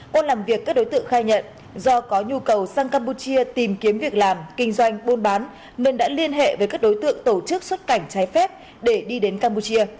qua làm việc các đối tượng khai nhận do có nhu cầu sang campuchia tìm kiếm việc làm kinh doanh buôn bán nên đã liên hệ với các đối tượng tổ chức xuất cảnh trái phép để đi đến campuchia